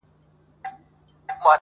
له وطنه څخه لیري مساپر مه وژنې خدایه!